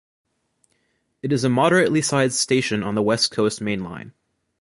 It is a moderately-sized station on the West Coast Main Line.